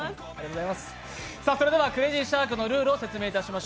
それではクレイジーシャークのルールをご紹介いたします